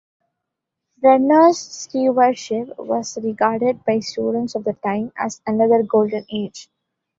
Brenner's stewardship was regarded by students of the time as another golden age.